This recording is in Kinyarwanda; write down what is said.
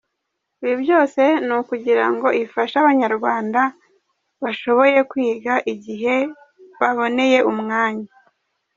Ibi byose ni ukugira ngo ifashe abanyarwandwa bashobore kwiga igihe baboneye umwanya.